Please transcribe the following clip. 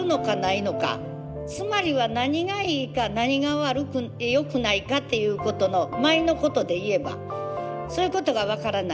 つまりは何がいいか何が悪くってよくないかっていうことの舞のことで言えばそういうことが分からない。